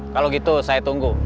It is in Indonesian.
kalau gitu saya tunggu